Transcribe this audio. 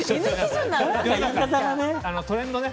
トレンドね。